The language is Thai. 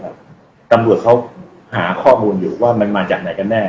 ตำรวจเขาหาข้อมูลอยู่ว่ามันมาจากไหนกันแน่